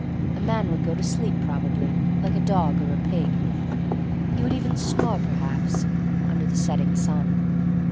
A man would go to sleep, probably, like a dog or a pig. He would even snore, perhaps — under the setting sun.